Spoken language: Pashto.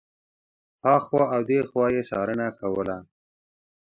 هخوا او دېخوا یې څارنه کوله.